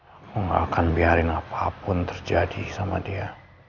aku nggak akan biarin apapun terjadi sama dia